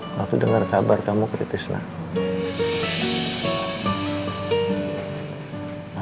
waktu dengar kabar kamu kritis lah